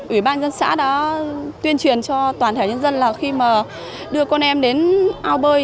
ủy ban dân xã đã tuyên truyền cho toàn thể nhân dân là khi mà đưa con em đến ao bơi